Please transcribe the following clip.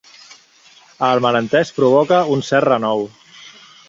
El malentès provoca un cert renou.